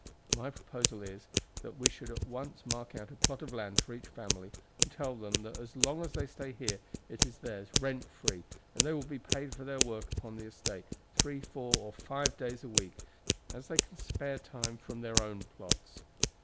My proposal is, that we should at once mark out a plot of land for each family and tell them that as long as they stay here it is theirs rent free; they will be paid for their work upon the estate, three, four, or five days a week, as they can spare time from their own plots.